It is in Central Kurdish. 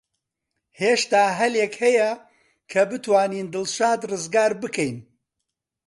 هێشتا هەلێک هەیە کە بتوانین دڵشاد ڕزگار بکەین.